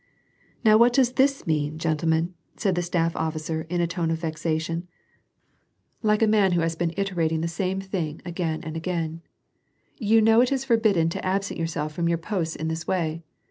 " Now what does this mean, gentlemen," said the staff officer in a tone of vexation^ like a man who has been iterating the WAR AND PEACE. 205 same thing again and again, " You know it is forbidden to absent yourselves from your posts in this way.